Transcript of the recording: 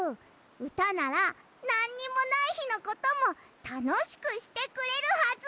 うたならなんにもないひのこともたのしくしてくれるはず！